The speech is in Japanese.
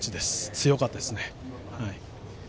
強かったですね。